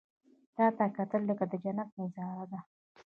• تا ته کتل، لکه د جنت نظاره ده.